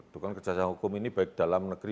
dukungan kerjasama hukum ini baik dalam negeri